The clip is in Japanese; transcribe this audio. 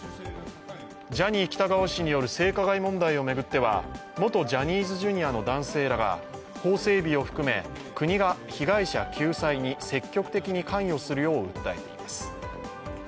ジャニー喜多川氏による性加害問題を巡っては元ジャニーズＪｒ．の男性らが法整備を含め国が被害者救済に積極的に関与するよう訴えています。